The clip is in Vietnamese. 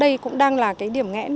đây cũng đang là điểm nghẽn